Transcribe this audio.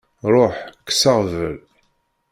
Ruḥ kkes aɣbel.